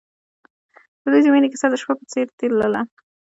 د دوی د مینې کیسه د شپه په څېر تلله.